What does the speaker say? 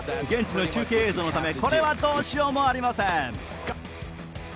現地の中継映像のためこれはどうしようもありません。